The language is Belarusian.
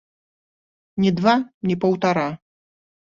Ні два ні паўтара.